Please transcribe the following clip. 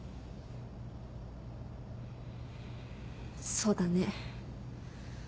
そうだね。